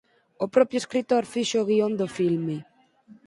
O propio escritor fixo o guión do filme.